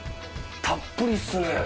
たっぷりっすね。